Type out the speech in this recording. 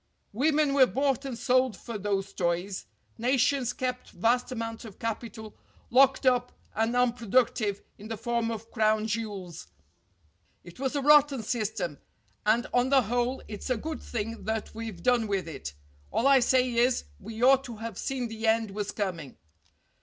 Women were bought and sold for those toys. Nations kept vast amounts of capital locked up and unproductive in the form of crown jewels. It was a rotten system, and on the whole it's a good thing that we've done with it. All I say is, we ought to have seen the end was coming."